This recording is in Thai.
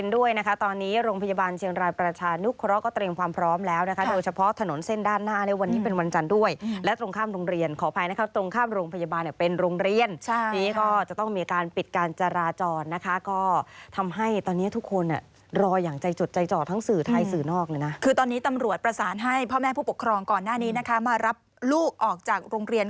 ด้วยนะคะตอนนี้โรงพยาบาลเชียงรายประชานุครก็เตรียมความพร้อมแล้วนะคะโดยเฉพาะถนนเส้นด้านหน้าแล้ววันนี้เป็นวันจันทร์ด้วยและตรงข้ามโรงเรียนขออภัยนะครับตรงข้ามโรงพยาบาลเนี่ยเป็นโรงเรียนใช่นี่ก็จะต้องมีการปิดการจาราจรนะคะก็ทำให้ตอนนี้ทุกคนอ่ะรออย่างใจจุดใจจอดทั้งสื่อไทยสื่อนอกเลยน